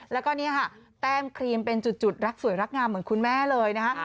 แล้วก็นี่ค่ะแต้มครีมเป็นจุดรักสวยรักงามเหมือนคุณแม่เลยนะคะ